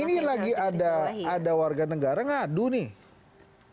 ini lagi ada warga negara ngadu nih